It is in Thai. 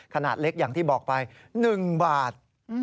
ขนาดเล็กอย่างที่บอกไป๑บาท